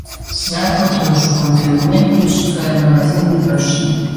Se algo trouxo o confinamento iso foi a valoración do próximo.